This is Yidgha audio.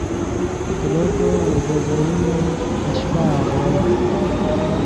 کلو کو وو ژے ڤئینے اشپہ آغوئے